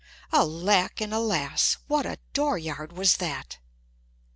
Alack and alas, what a dooryard was that!